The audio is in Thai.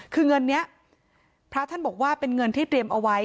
คือเงินนี้พระท่านบอกว่าเป็นเงินที่เตรียมเอาไว้